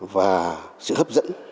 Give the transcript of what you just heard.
và sự hấp dẫn